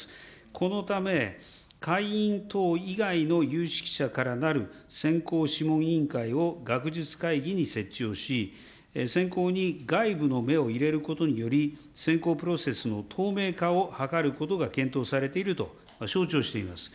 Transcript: このため、会員等以外の有識者からなる選考諮問委員会を学術会議に設置をし、選考に外部の目を入れることにより、選考プロセスの透明化を図ることが検討されていると承知をしております。